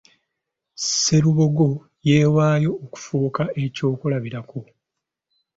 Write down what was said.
Sserubogo yeewaayo okufuuka ekyokulabirako.